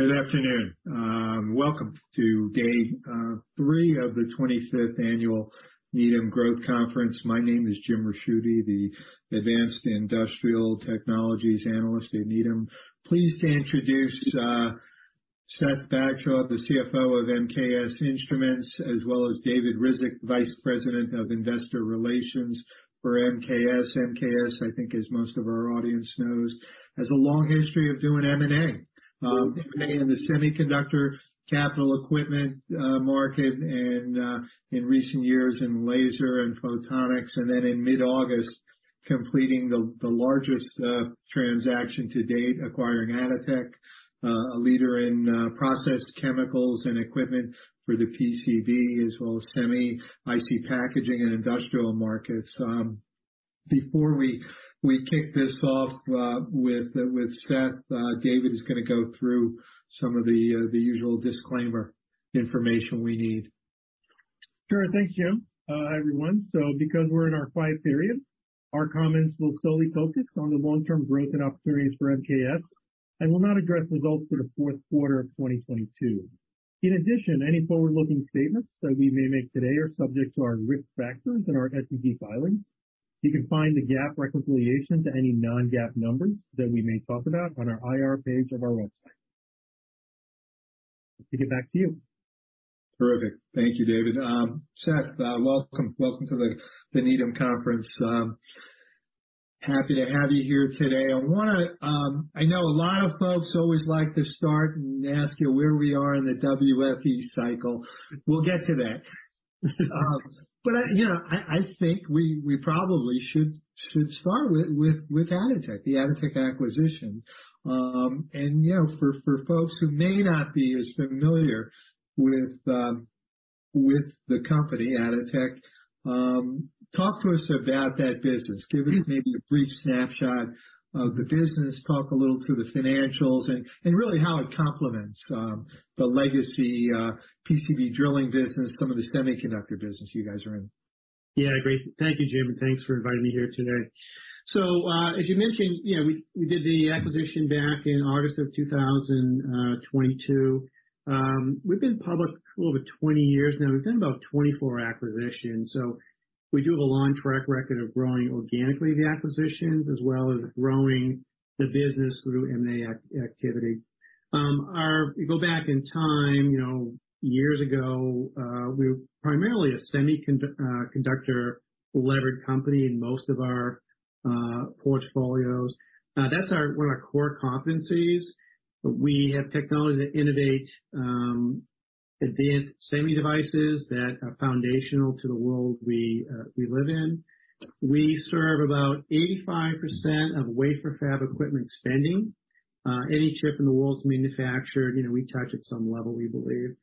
Good afternoon. Welcome to day 3 of the 25th annual Needham Growth Conference. My name is Jim Ricchiuti, the advanced industrial technologies analyst at Needham. Pleased to introduce Seth Bagshaw, the CFO of MKS Instruments, as well as David Ryzhik, Vice President of Investor Relations for MKS. MKS, I think as most of our audience knows, has a long history of doing M&A. M&A in the semiconductor capital equipment market and in recent years in laser and photonics, and then in mid-August, completing the largest transaction to date, acquiring Atotech, a leader in process chemicals and equipment for the PCB as well as semi-IC packaging and industrial markets. Before we kick this off with Seth, David is gonna go through some of the usual disclaimer information we need. Sure. Thanks, Jim. Hi, everyone. Because we're in our quiet period, our comments will solely focus on the long-term growth and opportunities for MKS and will not address results for the fourth quarter of 2022. Any forward-looking statements that we may make today are subject to our risk factors and our SEC filings. You can find the GAAP reconciliation to any non-GAAP numbers that we may talk about on our IR page of our website. To get back to you. Terrific. Thank you, David. Seth, welcome to the Needham Growth Conference. Happy to have you here today. I wanna know a lot of folks always like to start and ask you where we are in the WFE cycle. We'll get to that. You know, I think we probably should start with Atotech, the Atotech acquisition. You know, for folks who may not be as familiar with the company, Atotech, talk to us about that business. Give us maybe a brief snapshot of the business, talk a little through the financials and really how it complements the legacy PCB drilling business, some of the semiconductor business you guys are in. Great. Thank you, Jim, and thanks for inviting me here today. As you mentioned, you know, we did the acquisition back in August of 2022. We've been public for over 20 years now. We've done about 24 acquisitions. We do have a long track record of growing organically the acquisitions as well as growing the business through M&A activity. If you go back in time, you know, years ago, we were primarily a semiconductor-levered company in most of our portfolios. That's one of our core competencies. We have technology to innovate advanced semi devices that are foundational to the world we live in. We serve about 85% of wafer fab equipment spending. Any chip in the world's manufactured, you know, we touch at some level, we believe.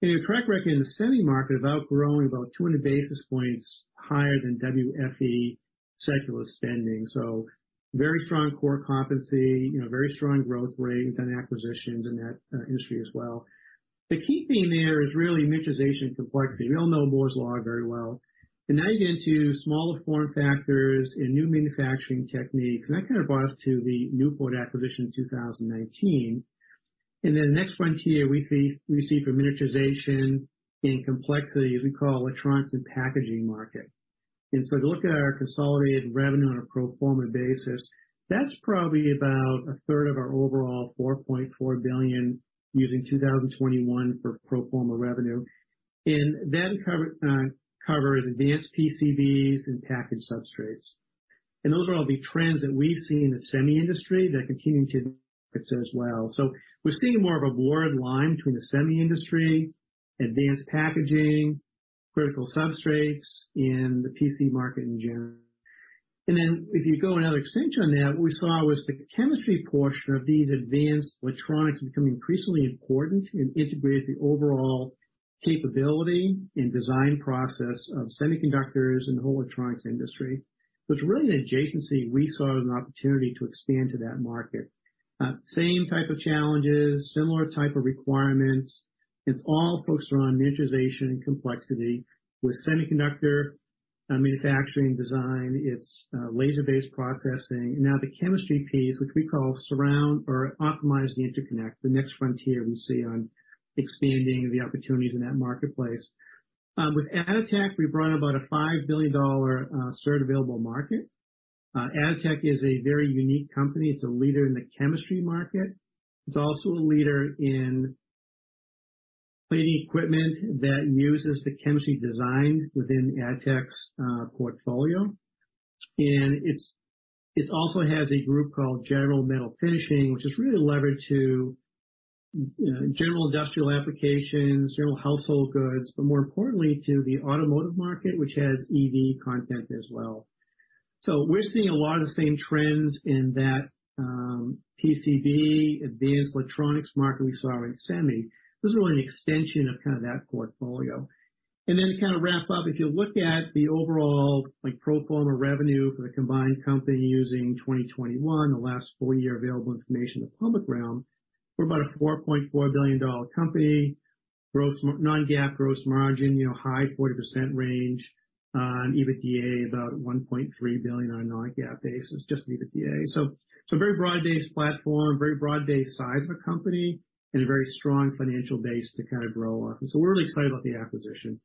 We have a track record in the semi market of outgrowing about 200 basis points higher than WFE secular spending. Very strong core competency, you know, very strong growth rate and acquisitions in that industry as well. The key thing there is really miniaturization complexity. We all know Moore's Law very well. Now you get into smaller form factors and new manufacturing techniques, and that kind of brought us to the Newport acquisition in 2019. The next frontier we see, we see from miniaturization and complexity is we call electronics and packaging market. If you look at our consolidated revenue on a pro forma basis, that's probably about a third of our overall $4.4 billion using 2021 for pro forma revenue. That cover advanced PCBs and package substrates. Those are all the trends that we see in the semi industry that continue to as well. We're seeing more of a blurred line between the semi industry, advanced packaging, critical substrates, and the PC market in general. If you go another extension on that, what we saw was the chemistry portion of these advanced electronics become increasingly important and integrated the overall capability and design process of semiconductors and the whole electronics industry. It's really an adjacency we saw as an opportunity to expand to that market. Same type of challenges, similar type of requirements. It's all focused around miniaturization and complexity. With semiconductor manufacturing design, it's laser-based processing. Now, the chemistry piece, which we call surround or Optimize the Interconnect, the next frontier we see on expanding the opportunities in that marketplace. With Atotech, we've run about a $5 billion served available market. Atotech is a very unique company. It's a leader in the chemistry market. It's also a leader in cleaning equipment that uses the chemistry design within Atotech's portfolio. It also has a group called General Metal Finishing, which is really levered to general industrial applications, general household goods, but more importantly, to the automotive market, which has EV content as well. We're seeing a lot of the same trends in that PCB advanced electronics market we saw in semi. This is really an extension of kind of that portfolio. To kind of wrap up, if you look at the overall, like, pro forma revenue for the combined company using 2021, the last full year available information in the public realm, we're about a $4.4 billion company. Growth non-GAAP gross margin, you know, high 40% range, and EBITDA about $1.3 billion on a non-GAAP basis, just EBITDA. Very broad-based platform, very broad-based size of a company and a very strong financial base to kind of grow off. We're really excited about the acquisition.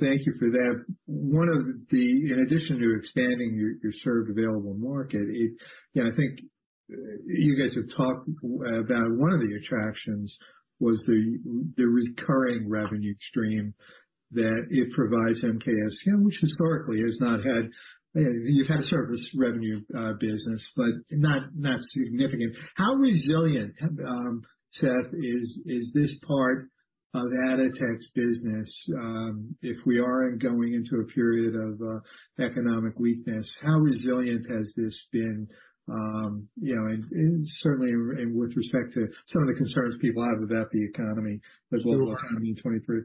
Thank you for that. In addition to expanding your served available market, You know, I think you guys have talked about one of the attractions was the recurring revenue stream that it provides MKS, you know, which historically has not had. You've had a service revenue business, but not significant. How resilient, Seth, is this part of Atotech's business, if we are going into a period of economic weakness, how resilient has this been? You know, and certainly with respect to some of the concerns people have about the economy, the global economy in 2023.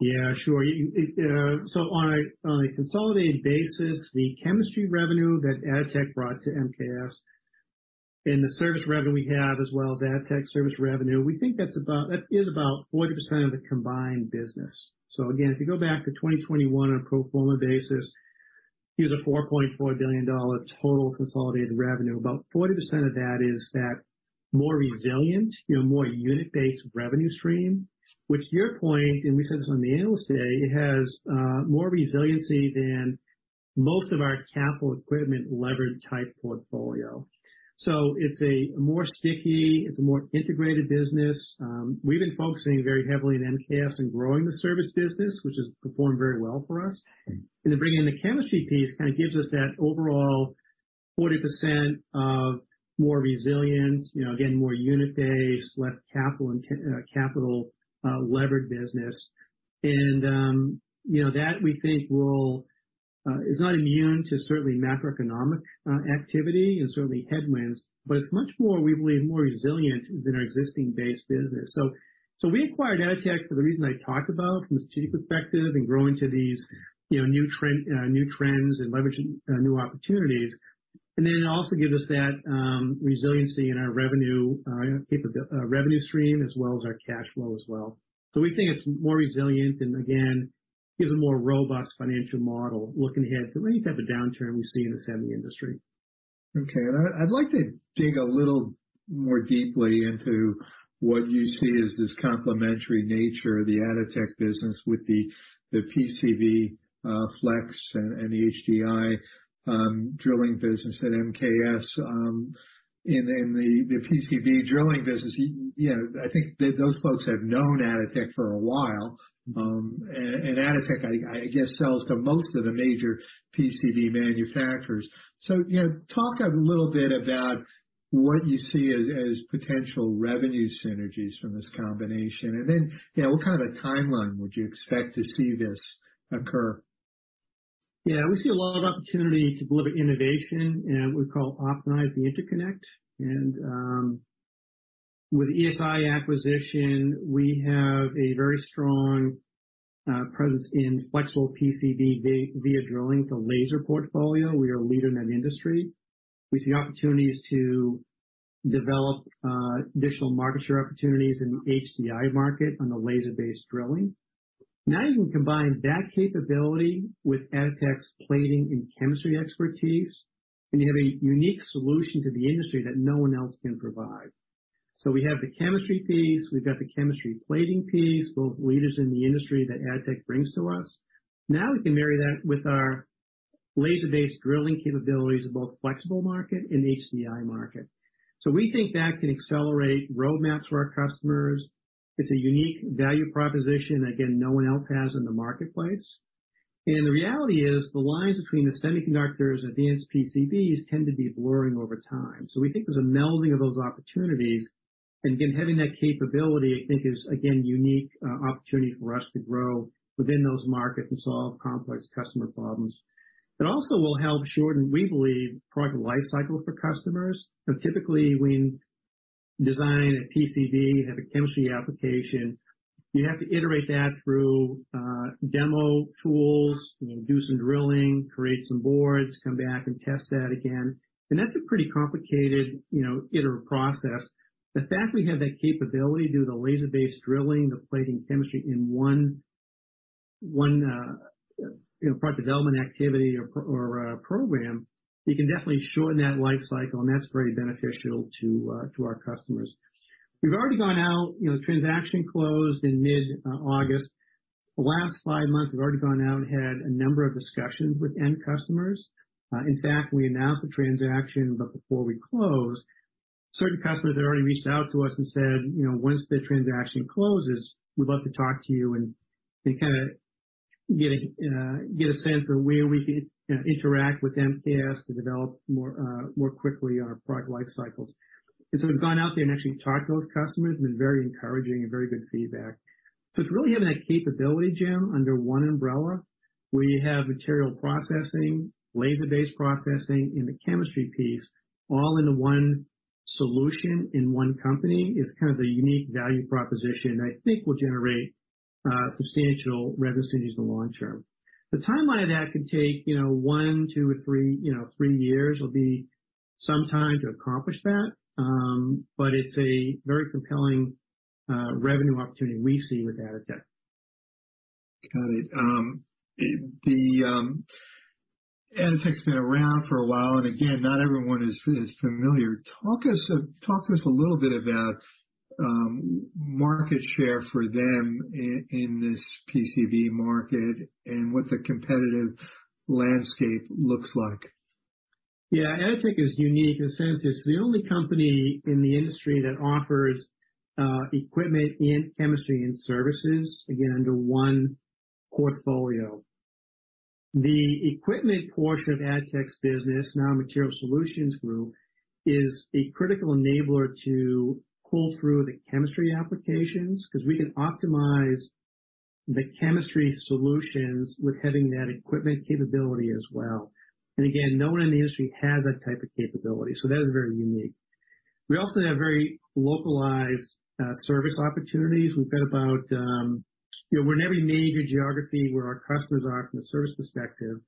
Yeah, sure. It. On a consolidated basis, the chemistry revenue that Atotech brought to MKS and the service revenue we have as well as Atotech service revenue, we think that is about 40% of the combined business. Again, if you go back to 2021 on a pro forma basis, it was a $4.4 billion total consolidated revenue. About 40% of that is that more resilient, you know, more unit-based revenue stream. With your point, and we said this on the Analyst Day, it has more resiliency than most of our capital equipment levered type portfolio. It's a more sticky, it's a more integrated business. We've been focusing very heavily in MKS in growing the service business, which has performed very well for us. Bringing in the chemistry piece kind of gives us that overall 40% of more resilient, you know, again, more unit-based, less capital and capital levered business. you know, that we think will is not immune to certainly macroeconomic activity and certainly headwinds, but it's much more, we believe, more resilient than our existing base business. We acquired Atotech for the reason I talked about from a strategic perspective and growing to these, you know, new trends and leveraging new opportunities. It also gives us that resiliency in our revenue stream as well as our cash flow as well. We think it's more resilient and again, gives a more robust financial model looking ahead for any type of downturn we see in the semi industry. Okay. I'd like to dig a little more deeply into what you see as this complementary nature of the Atotech business with the PCB, flex and the HDI drilling business at MKS, in the PCB drilling business. You know, I think those folks have known Atotech for a while. And Atotech, I guess, sells to most of the major PCB manufacturers. You know, talk a little bit about what you see as potential revenue synergies from this combination, then, you know, what kind of a timeline would you expect to see this occur? We see a lot of opportunity to deliver innovation in what we call Optimize the Interconnect. With ESI acquisition, we have a very strong presence in flexible PCB via drilling for laser portfolio. We are a leader in that industry. We see opportunities to develop additional market share opportunities in the HDI market on the laser-based drilling. You can combine that capability with Atotech's plating and chemistry expertise, and you have a unique solution to the industry that no one else can provide. We have the chemistry piece, we've got the chemistry plating piece, both leaders in the industry that Atotech brings to us. We can marry that with our laser-based drilling capabilities in both flexible market and HDI market. We think that can accelerate roadmaps for our customers. It's a unique value proposition that, again, no one else has in the marketplace. The reality is the lines between the semiconductors, advanced PCBs tend to be blurring over time. We think there's a melding of those opportunities. Again, having that capability I think is again, unique opportunity for us to grow within those markets and solve complex customer problems. It also will help shorten, we believe, product life cycle for customers. Typically when you design a PCB, you have a chemistry application, you have to iterate that through demo tools. You know, do some drilling, create some boards, come back and test that again. That's a pretty complicated, you know, iterative process. The fact we have that capability to do the laser-based drilling, the plating chemistry in one, you know, product development activity or program, we can definitely shorten that life cycle, and that's very beneficial to our customers. We've already gone out. You know, the transaction closed in mid-August. The last 5 months, we've already gone out and had a number of discussions with end customers. In fact, we announced the transaction, but before we closed, certain customers had already reached out to us and said, you know, Once the transaction closes, we'd love to talk to you and kind of get a sense of where we can, you know, interact with MKS to develop more quickly on our product life cycles. We've gone out there and actually talked to those customers, been very encouraging and very good feedback. It's really having that capability, Jim, under one umbrella, where you have material processing, laser-based processing, and the chemistry piece all into one solution in one company is kind of the unique value proposition that I think will generate substantial revenue streams in the long term. The timeline of that could take, you know, one, two or three, you know, three years will be some time to accomplish that. It's a very compelling, revenue opportunity we see with Atotech. Got it. The Atotech's been around for a while. Again, not everyone is familiar. Talk to us a little bit about market share for them in this PCB market and what the competitive landscape looks like. Yeah. Atotech is unique. Atotech is the only company in the industry that offers equipment and chemistry and services, again, under one portfolio. The equipment portion of Atotech's business, now Materials Solutions Division, is a critical enabler to pull through the chemistry applications cause we can optimize the chemistry solutions with having that equipment capability as well. Again, no one in the industry has that type of capability, so that is very unique. We also have very localized service opportunities. We've got about, you know, we're in every major geography where our customers are from a service perspective.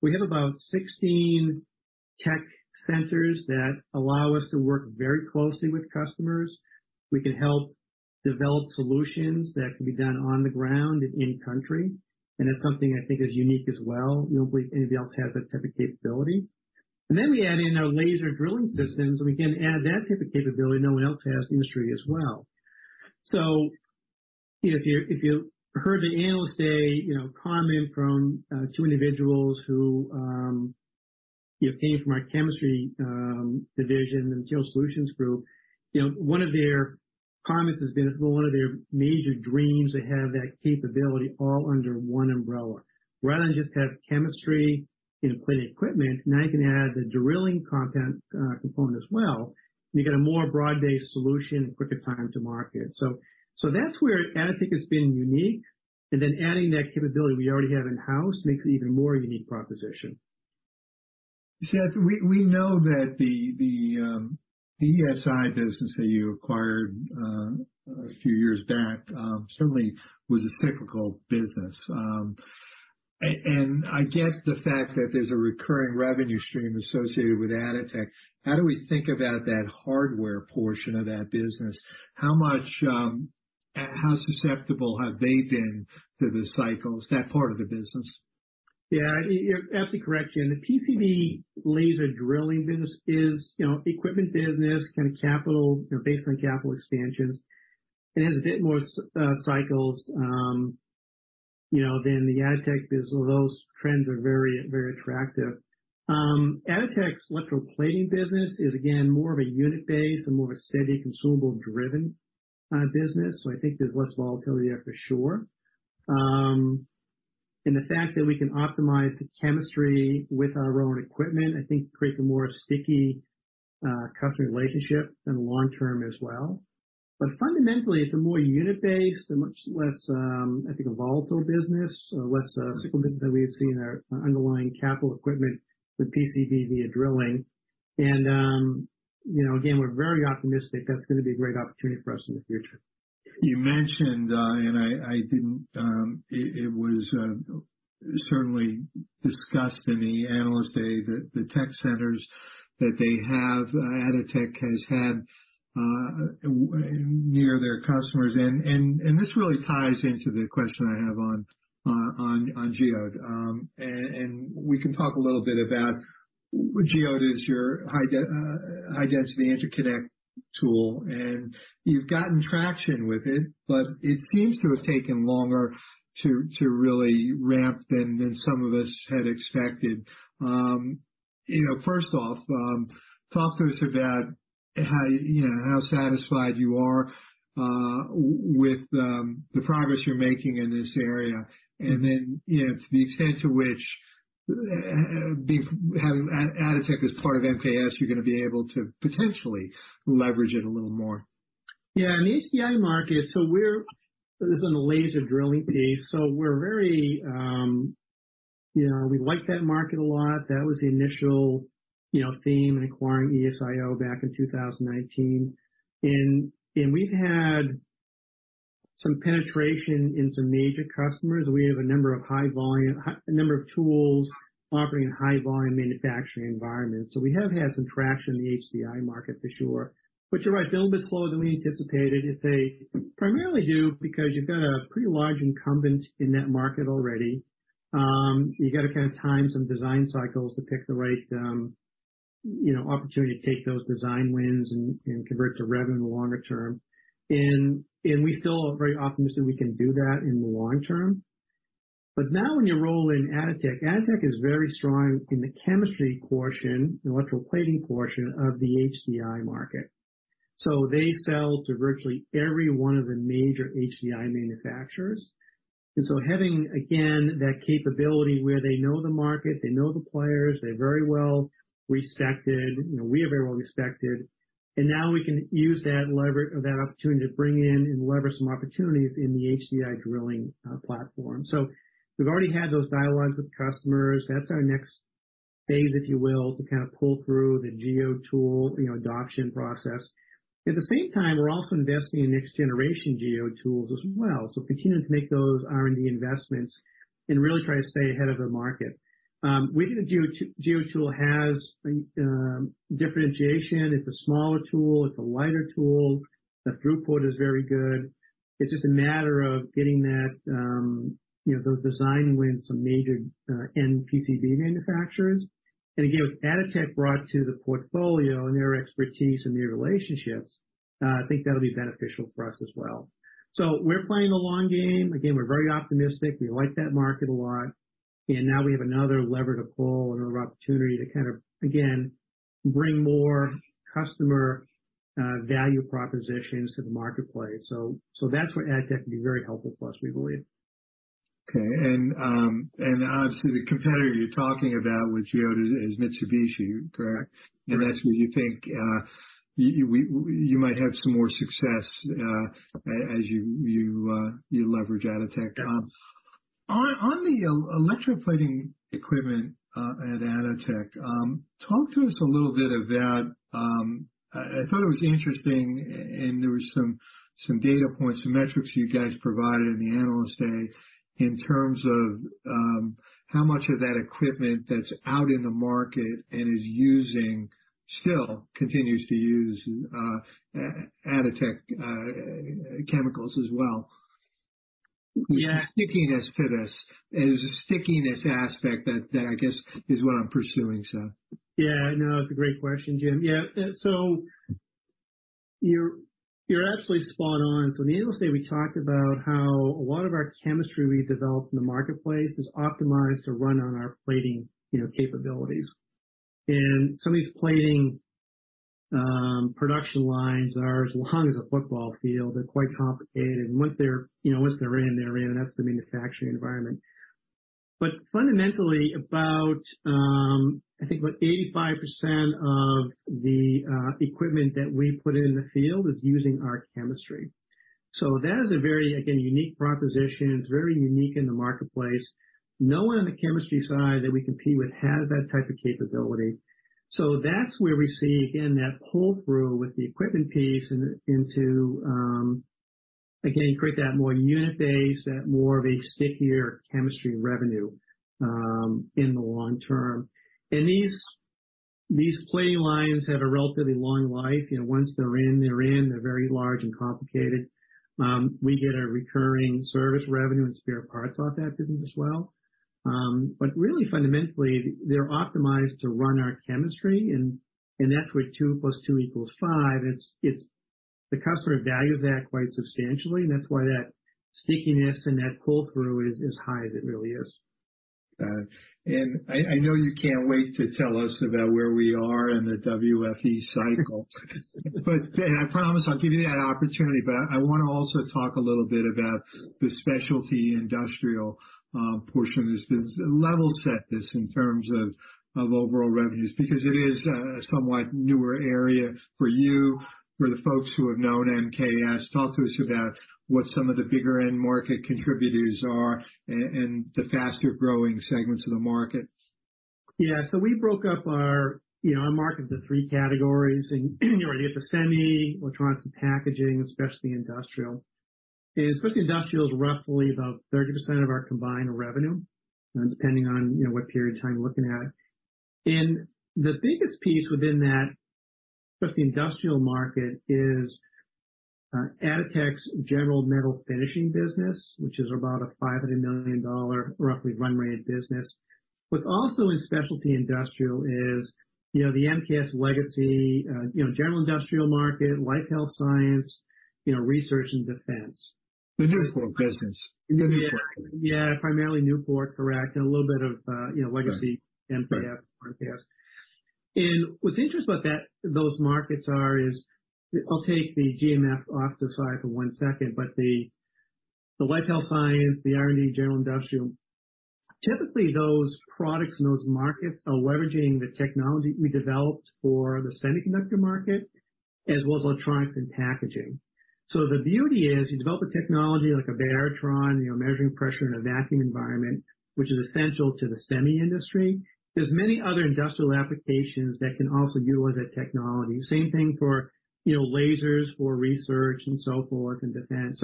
We have about 16 tech centers that allow us to work very closely with customers. We can help develop solutions that can be done on the ground in any country, that's something I think is unique as well. I don't believe anybody else has that type of capability. We add in our laser drilling systems, and we can add that type of capability no one else has in the industry as well. you know, if you, if you heard the analyst say, you know, comment from two individuals who, you know, came from our chemistry division and Materials Solutions Division, you know, one of their comments has been it's one of their major dreams to have that capability all under one umbrella. Rather than just have chemistry and plating equipment, now you can add the drilling content, component as well, and you get a more broad-based solution and quicker time to market. That's where Atotech has been unique, and then adding that capability we already have in-house makes it even more unique proposition. Seth, we know that the ESI business that you acquired a few years back certainly was a cyclical business. I get the fact that there's a recurring revenue stream associated with Atotech. How do we think about that hardware portion of that business? How much and how susceptible have they been to the cycles, that part of the business? Yeah. You're absolutely correct, Jim. The PCB laser drilling business is, you know, equipment business, kind of capital, you know, based on capital expansions. It has a bit more cycles, you know, than the Atotech business, although those trends are very, very attractive. Atotech's electroplating business is again more of a unit-based and more of a steady consumable driven business. I think there's less volatility there for sure. The fact that we can optimize the chemistry with our own equipment, I think creates a more sticky customer relationship in the long term as well. Fundamentally, it's a more unit-based and much less, I think a volatile business, less cyclical business that we had seen our underlying capital equipment with PCB via drilling. you know, again, we're very optimistic that's gobe a great opportunity for us in the future. You mentioned, and I didn't, it was certainly discussed in the Analyst Day the tech centers that they have, Atotech has had near their customers and this really ties into the question I have on Geode. We can talk a little bit about Geode is your high density interconnect tool, and you've gotten traction with it, but it seems to have taken longer to really ramp than some of us had expected. You know, first off, talk to us about how, you know, how satisfied you are with the progress you're making in this area, then, you know, to the extent to which, having Atotech as part of MKS, you're going to a be able to potentially leverage it a little more. In the HDI market, we're on the laser drilling piece. We're very, you know, we like that market a lot. That was the initial, you know, theme in acquiring ESIO back in 2019. We've had some penetration in some major customers. We have a number of tools operating in high volume manufacturing environments. We have had some traction in the HDI market for sure. You're right, a little bit slower than we anticipated. It's primarily due because you've got a pretty large incumbent in that market already. You gotta kind of time some design cycles to pick the right, you know, opportunity to take those design wins and convert to revenue longer term. We still are very optimistic we can do that in the long term. Now when you roll in Atotech is very strong in the chemistry portion and electroplating portion of the HDI market. They sell to virtually every one of the major HDI manufacturers. Having, again, that capability where they know the market, they know the players, they're very well respected, you know, we are very well respected, and now we can use that opportunity to bring in and leverage some opportunities in the HDI drilling platform. We've already had those dialogues with customers. That's our next stage, if you will, to kind of pull through the Geode tool, you know, adoption process. At the same time, we're also investing in next generation Geode tools as well. Continuing to make those R&D investments and really try to stay ahead of the market. We think the Geode tool has differentiation. It's a smaller tool, it's a lighter tool. The throughput is very good. It's just a matter of getting that, you know, those design wins from major NPCB manufacturers. Again, what Atotech brought to the portfolio and their expertise and their relationships, I think that'll be beneficial for us as well. We're playing the long game. Again, we're very optimistic. We like that market a lot, and now we have another lever to pull and opportunity to kind of, again, bring more customer value propositions to the marketplace. That's where Atotech can be very helpful for us, we believe. Okay. Obviously the competitor you're talking about with Geode is Mitsubishi, correct? Correct. That's where you think, you might have some more success, as you leverage Atotech. Yeah. On the electroplating equipment at Atotech, talk to us a little bit about, I thought it was interesting and there was some data points, some metrics you guys provided in the Analyst Day in terms of how much of that equipment that's out in the market and is using, still continues to use Atotech chemicals as well? Yeah. The stickiness to this. There's a stickiness aspect that I guess is what I'm pursuing, so. Yeah, no, that's a great question, Jim. Yeah. You're absolutely spot on. In the Analyst Day, we talked about how a lot of our chemistry we've developed in the marketplace is optimized to run on our plating, you know, capabilities. Some of these plating production lines are as long as a football field. They're quite complicated. Once they're, you know, once they're in, they're in, and that's the manufacturing environment. Fundamentally, about, I think about 85% of the equipment that we put in the field is using our chemistry. That is a very, again, unique proposition. It's very unique in the marketplace. No one on the chemistry side that we compete with has that type of capability. That's where we see, again, that pull through with the equipment piece into, again, create that more unit base, that more of a stickier chemistry revenue, in the long term. These plating lines have a relatively long life. You know, once they're in, they're in. They're very large and complicated. We get a recurring service revenue and spare parts off that business as well. Really fundamentally, they're optimized to run our chemistry, and that's where 2+2 equals 5. The customer values that quite substantially, and that's why that stickiness and that pull through is high as it really is. Got it. I know you can't wait to tell us about where we are in the WFE cycle. I promise I'll give you that opportunity, but I want to also talk a little bit about the specialty industrial portion of this business. Level set this in terms of overall revenues, because it is a somewhat newer area for you, for the folks who have known MKS. Talk to us about what some of the bigger end market contributors are and the faster-growing segments of the market. We broke up our, you know, our market into three categories. You already have the semi, electronics and packaging, specialty industrial. Specialty industrial is roughly about 30% of our combined revenue, depending on, you know, what period of time you're looking at. The biggest piece within that specialty industrial market is Atotech's General Metal Finishing business, which is about a $500 million roughly run rate business. What's also in specialty industrial is, you know, the MKS legacy, you know, general industrial market, life health science, you know, research and defense. The Newport business. The Newport. Primarily Newport, correct. A little bit of, you know, legacy MKS, broadcast. What's interesting about that, those markets are, I'll take the GMF off the side for one second. The life health science, the R&D general industrial, typically those products in those markets are leveraging the technology we developed for the semiconductor market as well as electronics and packaging. The beauty is you develop a technology like a Baratron, you know, measuring pressure in a vacuum environment, which is essential to the semi industry. There's many other industrial applications that can also utilize that technology. Same thing for, you know, lasers for research and so forth, and defense.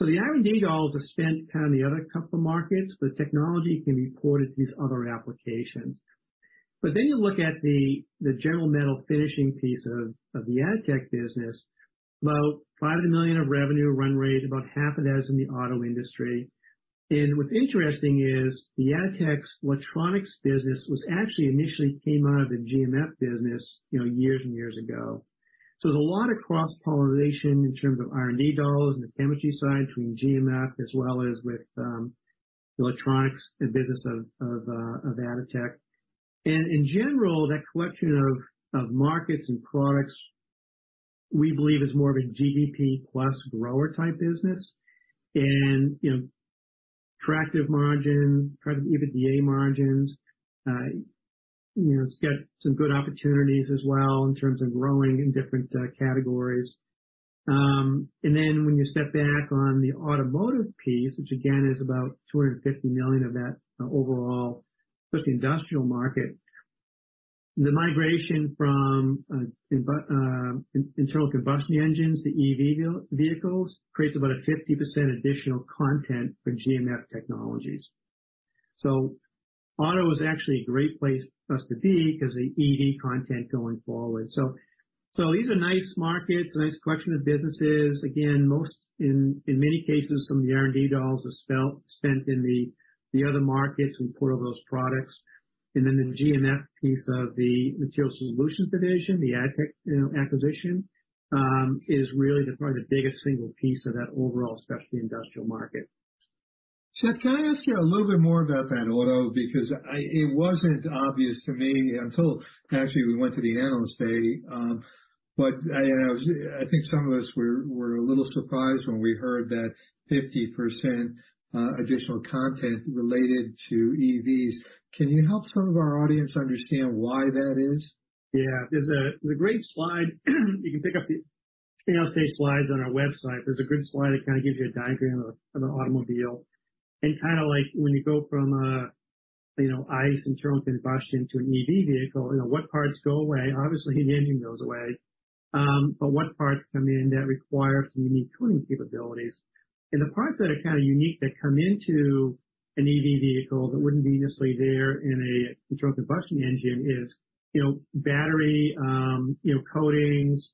The R&D dollars are spent kind of in the other couple markets, but technology can be ported to these other applications. You look at the General Metal Finishing piece of the Atotech business. About $500 million of revenue run rate, about half of that is in the auto industry. What's interesting is the Atotech's electronics business was actually initially came out of the GMF business, you know, years and years ago. There's a lot of cross-pollination in terms of R&D dollars and the chemistry side between GMF as well as with electronics and business of Atotech. In general, that collection of markets and products we believe is more of a GDP plus grower type business. You know, attractive margin, attractive EBITDA margins. you know, it's got some good opportunities as well in terms of growing in different categories. When you step back on the automotive piece, which again is about $250 million of that overall, especially industrial market, the migration from internal combustion engines to EV vehicles creates about a 50% additional content for GMF technologies. Auto is actually a great place for us to be 'cause the EV content going forward. These are nice markets, a nice collection of businesses. Again, most in many cases, some of the R&D dollars are spent in the other markets and port of those products. Then the GMF piece of the Materials Solutions Division, you know, acquisition is really probably the biggest single piece of that overall specialty industrial market. Chip, can I ask you a little bit more about that auto? It wasn't obvious to me until actually we went to the Analyst Day. you know, I think some of us were a little surprised when we heard that 50% additional content related to EVs. Can you help some of our audience understand why that is? There's a great slide. You can pick up the Analyst Day slides on our website. There's a good slide that kind of gives you a diagram of an automobile and kinda like when you go from a, you know, ICE internal combustion to an EV vehicle. You know, what parts go away. Obviously, the engine goes away. What parts come in that require some unique tuning capabilities. The parts that are kinda unique that come into an EV vehicle that wouldn't be necessarily there in a internal combustion engine is, you know, battery, you know, coatings,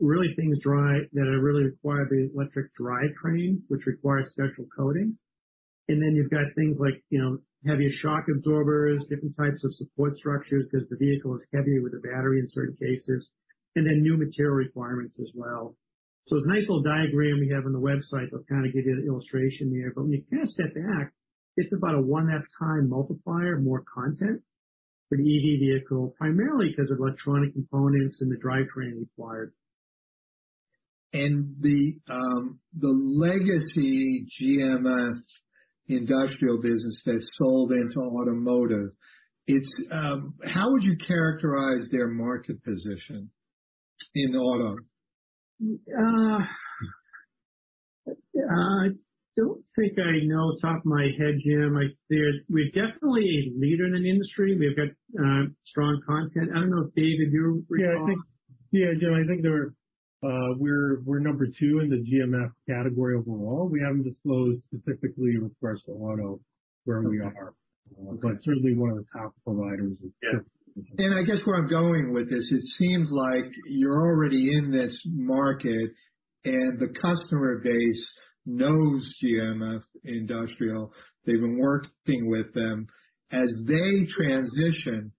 really things that are really required the electric drivetrain, which requires special coating. You've got things like, you know, heavier shock absorbers, different types of support structures, cause the vehicle is heavier with the battery in certain cases, and then new material requirements as well. It's a nice little diagram we have on the website. That'll kinda give you an illustration there. When you kinda step back, it's about a 0.5x multiplier, more content for the EV vehicle, primarily cause of electronic components and the drivetrain required. The, the legacy GMS industrial business that's sold into automotive, it's, how would you characterize their market position in auto? I don't think I know off the top of my head, Jim. We're definitely a leader in the industry. We've got strong content. I don't know if, David, you recall. Yeah, I think. Yeah, Jim, I think they're, we're number two in the GMF category overall. We haven't disclosed specifically with regards to Atotech where we are. Okay. Certainly one of the top providers of GMF. I guess where I'm going with this, it seems like you're already in this market, and the customer base knows GMF industrial. They've been working with them. As they transition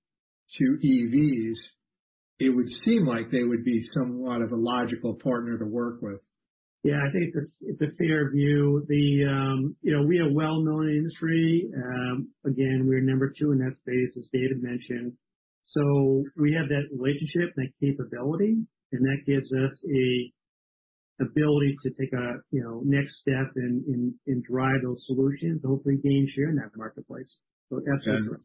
to EVs, it would seem like they would be somewhat of a logical partner to work with. Yeah, I think it's a, it's a fair view. The, you know, we are well-known in the industry. Again, we're number two in that space, as David mentioned. We have that relationship, that capability, and that gives us a ability to take a, you know, next step and drive those solutions, hopefully gain share in that marketplace. Absolutely.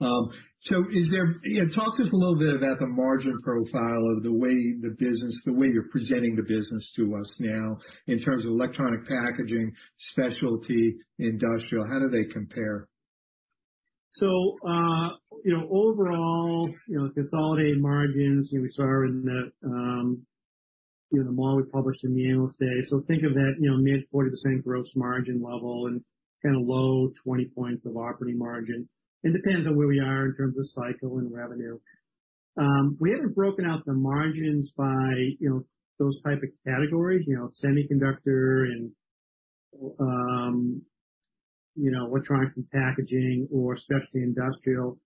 You know, talk to us a little bit about the margin profile of the way the business, the way you're presenting the business to us now in terms of electronic packaging, specialty, industrial. How do they compare? you know, overall, you know, consolidated margins, you know, we saw in the, you know, the model we published in the Analyst Day. Think of that, you know, mid 40% gross margin level and kinda low 20 points of operating margin. It depends on where we are in terms of cycle and revenue. We haven't broken out the margins by, you know, those type of categories, you know, semiconductor and, you know, electronics and packaging or specialty industrial.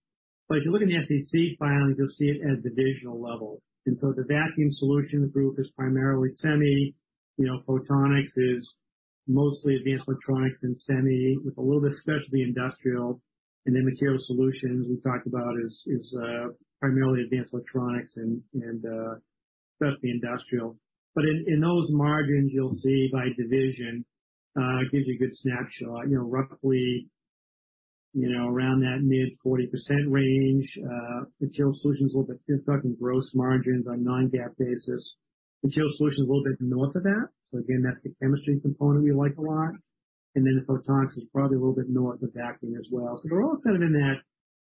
If you look in the SEC filings, you'll see it at divisional level. The Vacuum Solutions group is primarily semi. You know, Photonics is mostly advanced electronics and semi with a little bit of specialty industrial. Materials Solutions we've talked about is primarily advanced electronics and specialty industrial. In those margins you'll see by division, it gives you a good snapshot. You know, roughly, you know, around that mid-40% range. Material Solutions if you're talking gross margins on non-GAAP basis, Material Solutions a little bit north of that. Again, that's the chemistry component we like a lot. The Photonics is probably a little bit north of Vacuum as well. They're all kind of in that,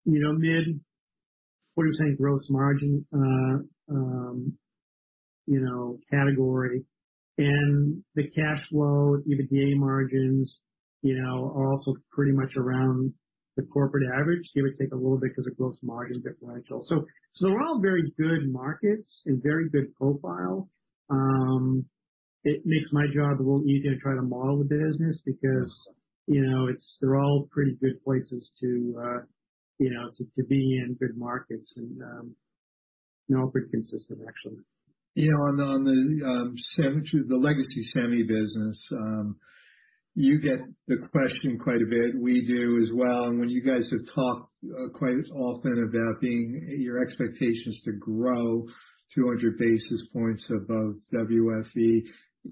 you know, mid-40% gross margin, you know, category. The cash flow, EBITDA margins, you know, are also pretty much around the corporate average, give or take a little bit 'cause of gross margin differential. They're all very good markets and very good profile. It makes my job a little easier to try to model the business because. Yeah. you know, they're all pretty good places to, you know, to be in, good markets and, all pretty consistent, actually. You know, on the legacy semi business, you get the question quite a bit. We do as well. When you guys have talked quite often about being your expectations to grow 200 basis points above WFE,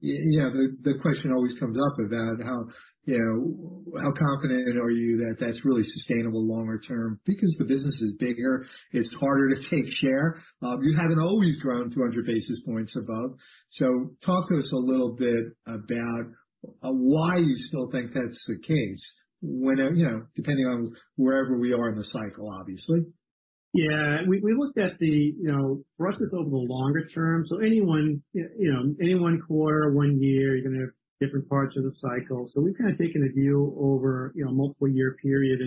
you know, the question always comes up about how, you know, how confident are you that that's really sustainable longer term? Because the business is bigger, it's harder to take share. You haven't always grown 200 basis points above. Talk to us a little bit about why you still think that's the case when, you know, depending on wherever we are in the cycle, obviously. We looked at the, you know, for us it's over the longer term, so any 1, you know, any 1 quarter, 1 year, you're gonna have different parts of the cycle. We've kind of taken a view over, you know, multiple-year period.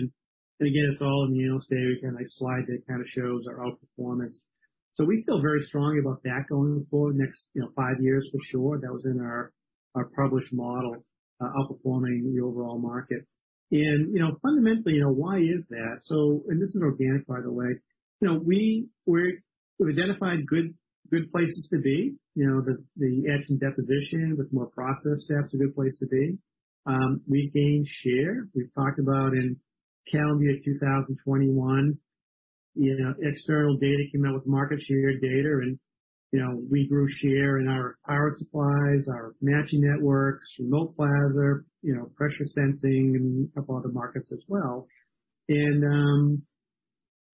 Again, it's all in the Analyst Day. We've got a nice slide that kind of shows our outperformance. We feel very strongly about that going forward the next, you know, 5 years for sure. That was in our published model, outperforming the overall market. You know, fundamentally, you know, why is that? This is organic, by the way, you know, We've identified good places to be. You know, the etch and deposition with more process steps is a good place to be. We gained share. We've talked about in calendar year 2021, you know, external data came out with market share data and, you know, we grew share in our power supplies, our matching networks, remote plasma, you know, pressure sensing and a couple other markets as well.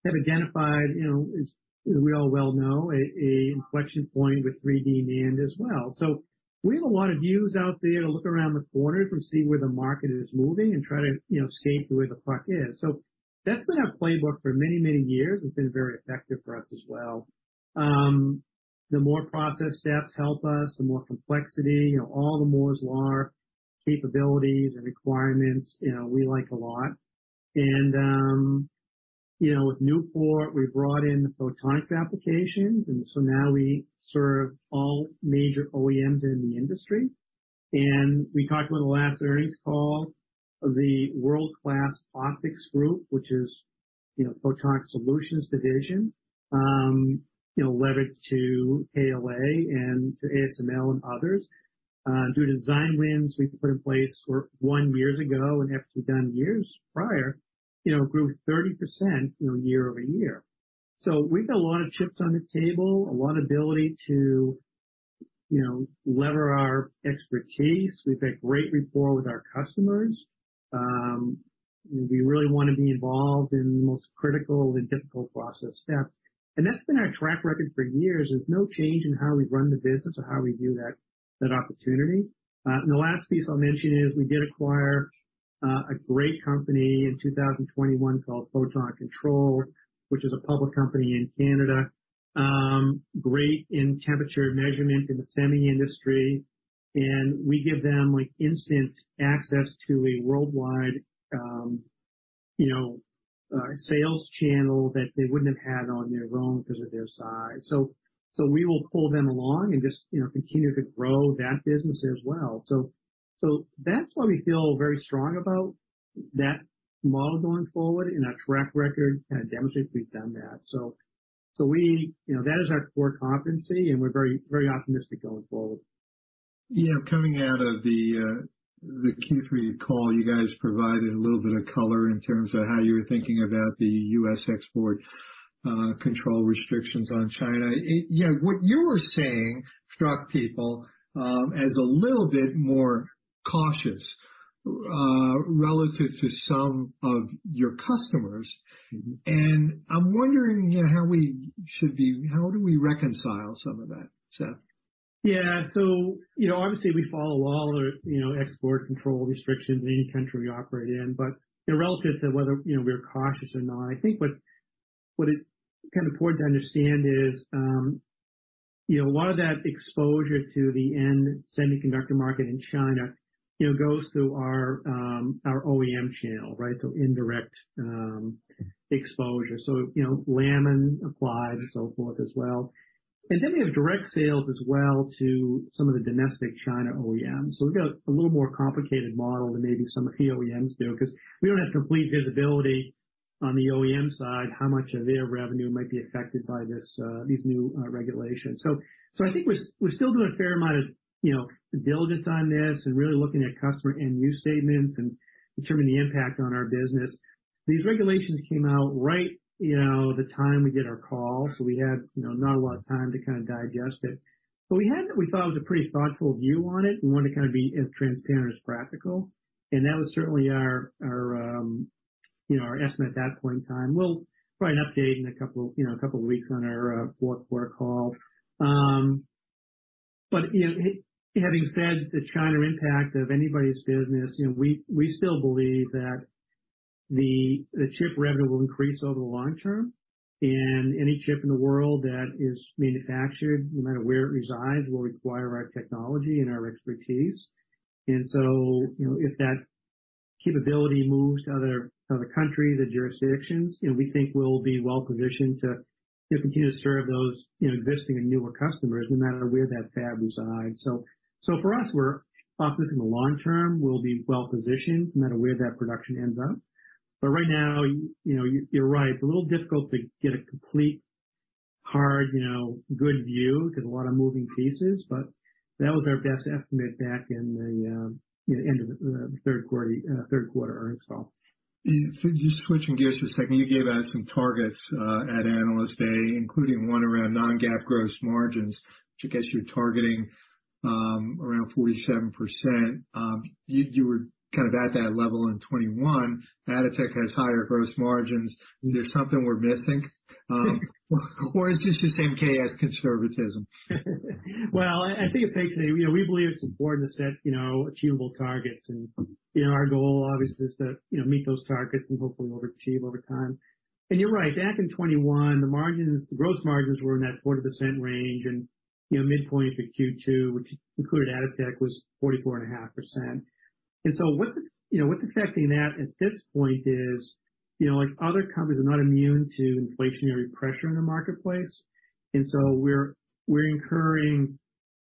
Have identified, you know, as we all well know, a inflection point with 3D NAND as well. We have a lot of views out there to look around the corner to see where the market is moving and try to, you know, skate to where the puck is. That's been our playbook for many, many years. It's been very effective for us as well. The more process steps help us, the more complexity, you know, all the Moore's Law capabilities and requirements, you know, we like a lot. You know, with Newport, we brought in photonics applications, and so now we serve all major OEMs in the industry. We talked about in the last earnings call, the world-class optics group, which is, you know, Photonics Solutions Division, you know, levered to KLA and to ASML and others, due to design wins we put in place for 1 years ago and efforts we've done years prior, you know, grew 30%, you know, year-over-year. We've got a lot of chips on the table, a lot of ability to, you know, lever our expertise. We've got great rapport with our customers. We really wanna be involved in the most critical and difficult process steps. That's been our track record for years. There's no change in how we run the business or how we view that opportunity. The last piece I'll mention is we did acquire a great company in 2021 called Photon Control, which is a public company in Canada. Great in temperature measurement in the semi industry, and we give them like instant access to a worldwide, you know, sales channel that they wouldn't have had on their own because of their size. We will pull them along and just, you know, continue to grow that business as well. That's why we feel very strong about that model going forward, and our track record kind of demonstrates we've done that. We. You know, that is our core competency, and we're very, very optimistic going forward. You know, coming out of the Q3 call, you guys provided a little bit of color in terms of how you were thinking about the U.S. Export Control Restrictions on China. You know, what you were saying struck people as a little bit more cautious relative to some of your customers. Mm-hmm. I'm wondering, you know, how we should be... How do we reconcile some of that, Seth? Yeah. You know, obviously we follow all of the, you know, export control restrictions in any country we operate in. You know, relative to whether, you know, we're cautious or not, I think what is kind of important to understand is, you know, a lot of that exposure to the end semiconductor market in China, you know, goes through our OEM channel, right? Indirect exposure. You know, Lam and Applied and so forth as well. We have direct sales as well to some of the domestic China OEMs. We've got a little more complicated model than maybe some of the OEMs do because we don't have complete visibility on the OEM side, how much of their revenue might be affected by this, these new regulations. I think we're still doing a fair amount of, you know, due diligence on this and really looking at customer end-use statements and determining the impact on our business. These regulations came out right, you know, the time we did our call, so we had, you know, not a lot of time to kind of digest it. We had what we thought was a pretty thoughtful view on it. We wanted to kind of be as transparent as practical, and that was certainly our, you know, our estimate at that point in time. We'll probably update in a couple, you know, weeks on our fourth quarter call. Having said the China impact of anybody's business, you know, we still believe that the chip revenue will increase over the long term. Any chip in the world that is manufactured, no matter where it resides, will require our technology and our expertise. You know, if that capability moves to other countries or jurisdictions, you know, we think we'll be well positioned to continue to serve those, you know, existing and newer customers, no matter where that fab resides. For us, we're optimistic in the long term we'll be well positioned no matter where that production ends up. Right now, you know, you're right. It's a little difficult to get a complete, hard, you know, good view because a lot of moving pieces. That was our best estimate back in the, you know, end of the third quarter, third quarter earnings call. Yeah. Just switching gears for a second. You gave us some targets at Analyst Day, including one around non-GAAP gross margins, which I guess you're targeting around 47%. You were kind of at that level in 2021. Atotech has higher gross margins. Is there something we're missing? Or is this just MKS conservatism? Well, I think it's basically, you know, we believe it's important to set, you know, achievable targets. Our goal obviously is to, you know, meet those targets and hopefully overachieve over time. You're right. Back in 2021, the margins, the gross margins were in that 40% range and, you know, midpoint for Q2, which included Atotech, was 44.5%. What's, you know, what's affecting that at this point is, you know, like other companies, we're not immune to inflationary pressure in the marketplace. We're incurring,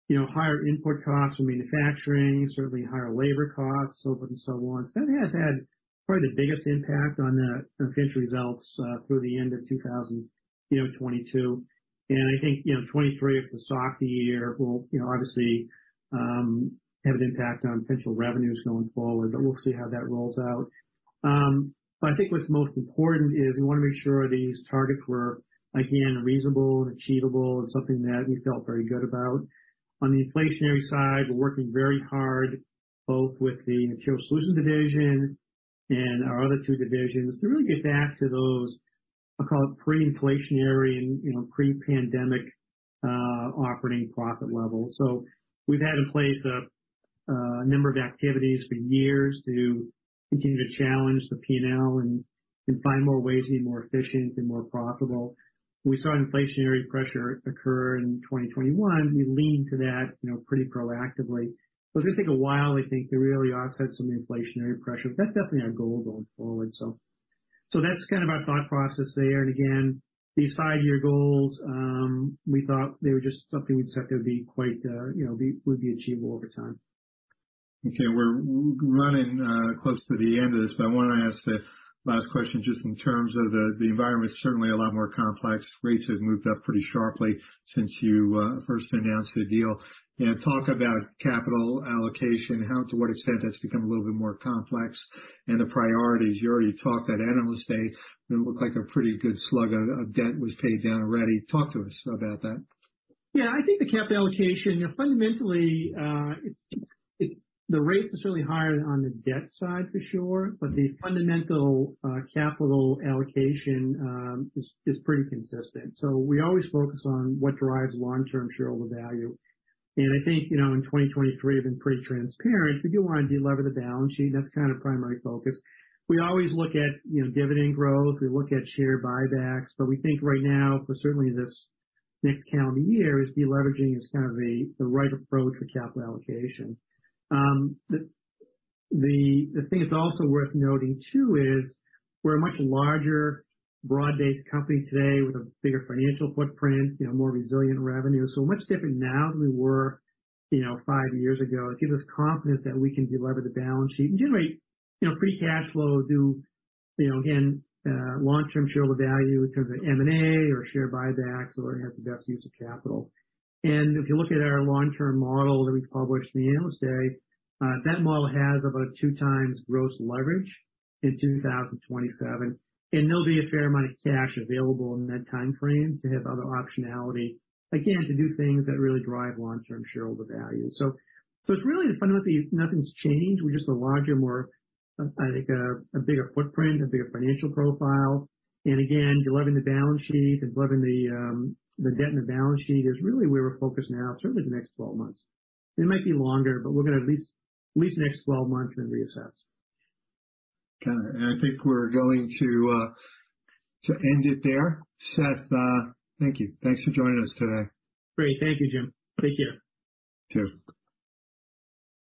you know, higher input costs from manufacturing, certainly higher labor costs, so forth and so on. It's kinda has had probably the biggest impact on the potential results through the end of 2022. I think, you know, 2023 is the SoC year will, you know, obviously, have an impact on potential revenues going forward, but we'll see how that rolls out. I think what's most important is we wanna make sure these targets were again reasonable and achievable and something that we felt very good about. On the inflationary side, we're working very hard both with the Materials Solutions Division and our other two divisions to really get back to those, I'll call it pre-inflationary and, you know, pre-pandemic, operating profit levels. We've had in place a number of activities for years to continue to challenge the P&L and find more ways to be more efficient and more profitable. We saw inflationary pressure occur in 2021. We leaned to that, you know, pretty proactively. It's gonna take a while, I think, to really offset some inflationary pressures. That's definitely our goal going forward. That's kind of our thought process there. Again, these five-year goals, we thought they were just something we just thought they would be quite, you know, would be achievable over time. Okay. We're running close to the end of this. I wanna ask a last question just in terms of the environment is certainly a lot more complex. Rates have moved up pretty sharply since you first announced the deal. You know, talk about capital allocation, how to what extent that's become a little bit more complex and the priorities. You already talked at Analyst Day, it looked like a pretty good slug of debt was paid down already. Talk to us about that. Yeah. I think the capital allocation, you know, fundamentally, the race is certainly higher on the debt side for sure, but the fundamental capital allocation is pretty consistent. We always focus on what drives long-term shareholder value. I think, you know, in 2023, I've been pretty transparent. We do wanna delever the balance sheet. That's kind of primary focus. We always look at, you know, dividend growth. We look at share buybacks. We think right now for certainly this next calendar year is deleveraging is kind of the right approach for capital allocation. The thing that's also worth noting too is we're a much larger broad-based company today with a bigger financial footprint, you know, more resilient revenue. Much different now than we were, you know, 5 years ago. It gives us confidence that we can delever the balance sheet and generate, you know, free cash flow to, you know, again, long-term shareholder value in terms of M&A or share buybacks or have the best use of capital. If you look at our long-term model that we published in the Analyst Day, that model has about 2 times gross leverage in 2027, and there'll be a fair amount of cash available in that timeframe to have other optionality, again, to do things that really drive long-term shareholder value. It's really fundamentally nothing's changed. We're just a larger, more, I think a bigger footprint, a bigger financial profile. Again, delevering the balance sheet and delivering the debt on the balance sheet is really where we're focused now, certainly the next 12 months. It might be longer, we're gonna at least the next 12 months then reassess. Got it. I think we're going to end it there. Seth, thank you. Thanks for joining us today. Great. Thank you, Jim. Take care. You too.